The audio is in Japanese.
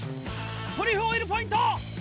トリュフオイルポイント！